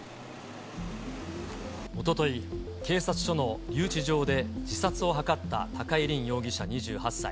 おととい、警察署の留置場で自殺を図った高井凜容疑者２８歳。